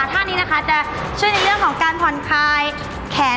ท่านี้นะคะจะช่วยในเรื่องของการผ่อนคลายแขน